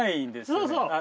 そうそう。